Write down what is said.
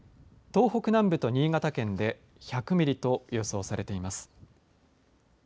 東北南部と新潟県で１００ミリと予想されています。